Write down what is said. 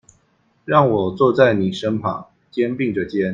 讓我坐在妳身旁，肩並著肩